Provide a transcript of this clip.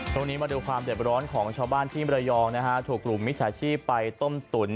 มาดูความเด็บร้อนของชาวบ้านที่มรยองนะฮะถูกกลุ่มมิจฉาชีพไปต้มตุ๋น